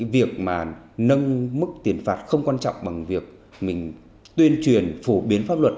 việc mà nâng mức tiền phạt không quan trọng bằng việc mình tuyên truyền phổ biến pháp luật